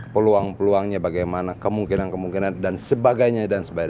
peluang peluangnya bagaimana kemungkinan kemungkinan dan sebagainya